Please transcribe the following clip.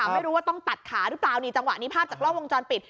ไม่รู้ว่าต้องตัดขาหรือเปล่านี่จังหวะนี้ภาพจากกล้องวงจรปิด